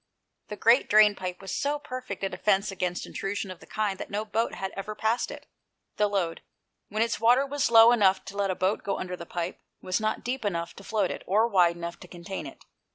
The great drain pipe was so perfect a defence against intrusion of the kind that no boat had ever passed it. The Lode, when its water was low enough to let a boat go under the pipe, was not deep enough to float it, or wide enough to contain it.